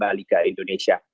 kembali ke indonesia